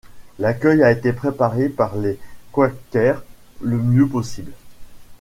L'accueil a été préparé par les quakers le mieux possible.